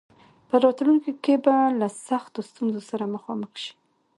په راتلونکي کې به له سختو ستونزو سره مخامخ شي.